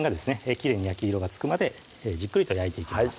きれいに焼き色がつくまでじっくりと焼いていきます